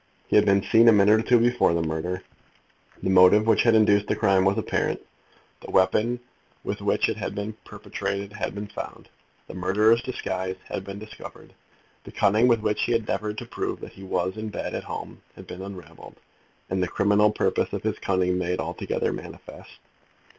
He had been seen a minute or two before the murder. The motive which had induced the crime was apparent. The weapon with which it had been perpetrated had been found. The murderer's disguise had been discovered. The cunning with which he had endeavoured to prove that he was in bed at home had been unravelled, and the criminal purpose of his cunning made altogether manifest.